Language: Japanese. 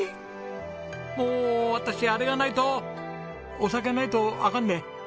もう私あれがないとお酒ないとアカンで。